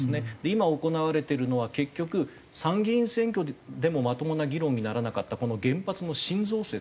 今行われてるのは結局参議院選挙でもまともな議論にならなかったこの原発の新増設。